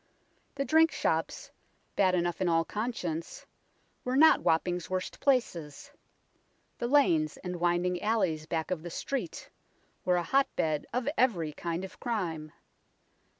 The drink shops, bad enough in all conscience, were not Wapping's worst places. The lanes and winding alleys back of " the Street " were a hotbed of every kind of crime.